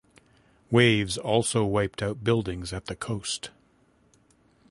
Waves also wiped out buildings at the coast.